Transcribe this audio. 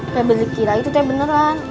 febri kira itu teh beneran